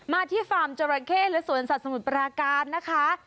มาที่ฟาร์มจมรรเขย์หรือสวนสัตว์สมุทรประการนะคะ